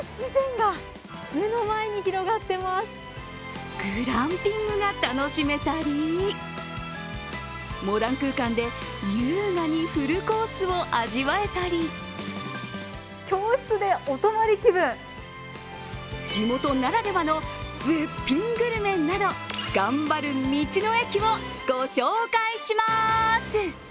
今グランピングが楽しめたりモダン空間で優雅にフルコースを味わえたり地元ならではの絶品グルメなど頑張る道の駅をご紹介します！